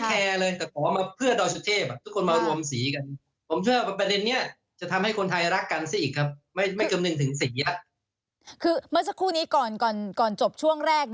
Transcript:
คือเมื่อสักครู่นี้ก่อนจบช่วงแรก